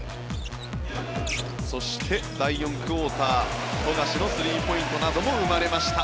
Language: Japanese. そして、第４クオーター富樫のスリーポイントなども生まれました。